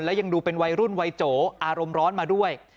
และยังดูเป็นวัยรุ่นวัยโจอารมณ์ร้อนมาด้วย